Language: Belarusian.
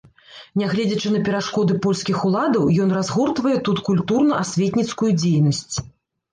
Нягледзячы на перашкоды польскіх уладаў, ён разгортвае тут культурна-асветніцкую дзейнасць.